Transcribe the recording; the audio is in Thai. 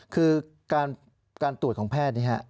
คือการตรวจของแพทย์นี้